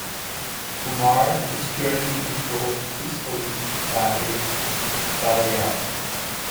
Komarr is currently controlled peacefully by Barrayar.